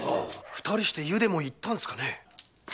二人して湯でも行ったんですかね？